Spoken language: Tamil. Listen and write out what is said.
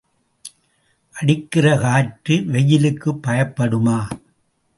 அடிக்கிற காற்று வெயிலுக்குப் பயப்படுமா?